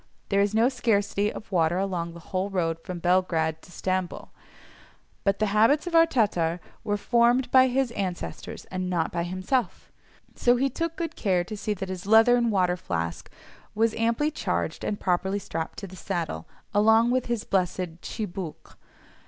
There is no scarcity of water along the whole road from Belgrade to Stamboul, but the habits of our Tatar were formed by his ancestors and not by himself, so he took good care to see that his leathern water flask was amply charged and properly strapped to the saddle, along with his blessed tchibouque.